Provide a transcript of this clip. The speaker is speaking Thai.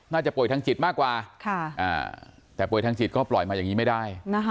น่าจะป่วยทางจิตมากกว่าแต่ป่วยทางจิตก็ปล่อยมาอย่างนี้ไม่ได้